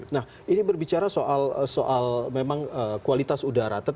nah ini berbicara soal memang kualitas udara